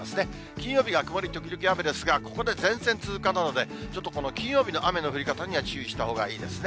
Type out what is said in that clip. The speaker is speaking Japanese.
金曜日が曇り時々雨ですが、ここで前線通過なので、ちょっとこの金曜日の雨の降り方には注意したほうがいいですね。